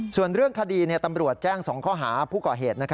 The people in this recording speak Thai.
ส่วนเรื่องคดีตำรวจแจ้ง๒ข้อหาผู้ก่อเหตุ